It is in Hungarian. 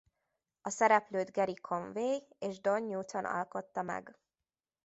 A szereplőt Gerry Conway és Don Newton alkotta meg.